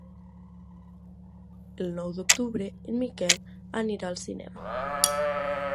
El nou d'octubre en Miquel anirà al cinema.